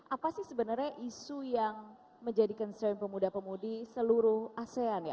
apa sih sebenarnya isu yang menjadi concern pemuda pemudi seluruh asean ya